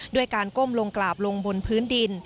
ด้วยการก้มลงกราบลงบนพื้นดิน